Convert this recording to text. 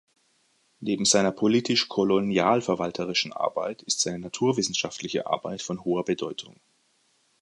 Neben seiner politisch-kolonialverwalterischen Arbeit ist seine naturwissenschaftliche Arbeit von hoher Bedeutung.